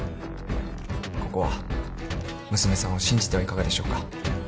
ここは娘さんを信じてはいかがでしょうか？